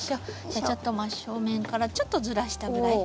じゃあちょっと真っ正面からちょっとずらしたぐらい。